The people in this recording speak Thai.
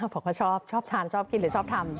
บอกว่าชอบชอบทานชอบกินหรือชอบทำ